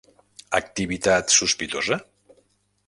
"Activitat sospitosa?